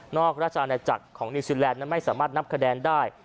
ราชอาณาจักรของนิวซีแลนดนั้นไม่สามารถนับคะแนนได้